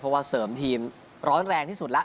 เพราะว่าเสริมทีมร้อนแรงที่สุดแล้ว